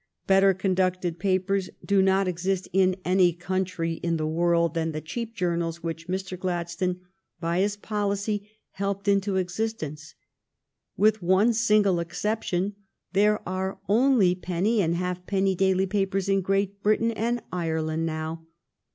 Better conducted papers do not exist in any coun THE REPEAL OF THE TAXES ON EDUCATION 23 1 try in the world than the cheap journals which Mr. Gladstone by his policy helped into existence. With one single exception, there are only penny and half penny daily papers in Great Britain and Ireland now.